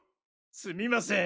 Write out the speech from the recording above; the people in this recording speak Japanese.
すみません。